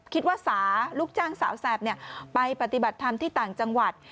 คิดว่าสาลูกจ้างสาวแสบเนี่ยไปปฏิบัติธรรมที่ต่างจังหวัด